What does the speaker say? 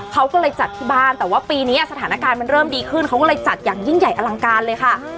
เขาก็เลยจัดที่บ้านแต่ว่าปีนี้สถานการณ์มันเริ่มดีขึ้นเขาก็เลยจัดอย่างยิ่งใหญ่อลังการเลยค่ะ